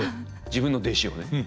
自分の弟子をね。